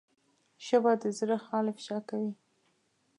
ژبه د زړه حال افشا کوي